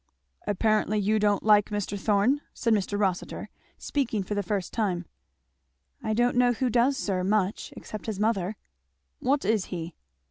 "Apparently you don't like Mr. Thorn?" said Mr. Rossitur, speaking for the first time. "I don't know who does, sir, much, except his mother." "What is he?"